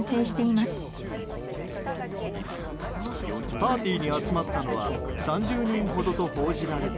パーティーに集まったのは３０人ほどと報じられた